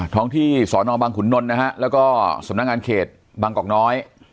ท้องที่สอนอบังขุนนลนะฮะแล้วก็สำนักงานเขตบางกอกน้อย